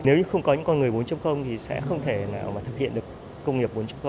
nếu không có những con người bốn thì sẽ không thể nào mà thực hiện được công nghiệp bốn